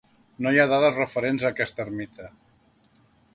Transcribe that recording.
No hi ha dades referents a aquesta ermita.